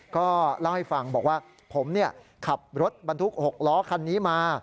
ก็เล่าให้ฟังบอกว่าผมขับรถบรรทุก๖ล้อคันนี้มา